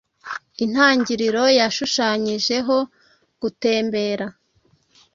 Intangiriro yashushanyijeho gutembera